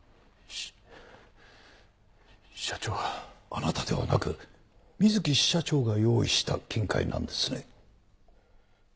あなたではなく水木支社長が用意した金塊なんですね？